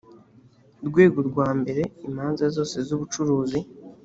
rwego rwa mbere imanza zose z’ubucuruzi